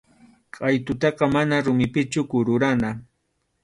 Qʼaytutaqa mana rumipichu kururana.